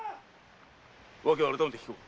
訳は改めて聞こう。